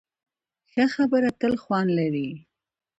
ښه خبره تل خوند لري.